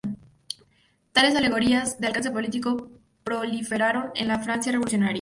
Tales alegorías, de alcance político, proliferaron en la Francia revolucionaria.